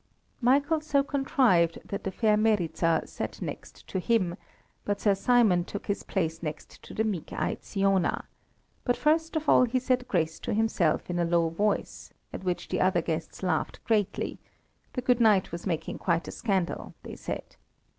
Michael so contrived that the fair Meryza sat next to him, but Sir Simon took his place next to the meek eyed Siona, but first of all he said grace to himself in a low voice, at which the other guests laughed greatly; the good knight was making quite a scandal, they said.